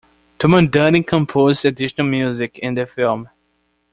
Tomandandy composed additional music in the film.